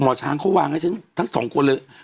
หมอช้างเขาวางให้ฉันทั้งสองคนเลย